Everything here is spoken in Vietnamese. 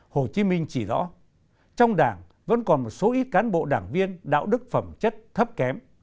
hồ chí minh chỉ rõ trong đảng vẫn còn một số ít cán bộ đảng viên đạo đức phẩm chất thấp kém